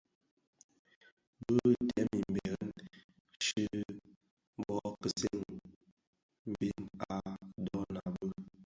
Bị dèm mbèrèn chi bò kiseni mbiň a ndhoňa bi.